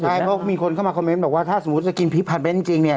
ใช่เพราะมีคนเข้ามาคอมเมนต์บอกว่าถ้าสมมุติจะกินพริกพาร์เน้นจริงเนี่ย